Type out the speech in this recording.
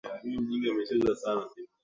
langu jina nurdin seleman muktsari wa